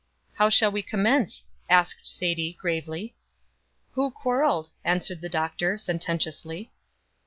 "How shall we commence?" asked Sadie, gravely. "Who quarreled?" answered the Doctor, sententiously.